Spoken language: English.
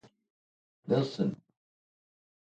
Nelson.